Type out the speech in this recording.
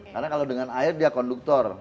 karena kalau dengan air dia konduktor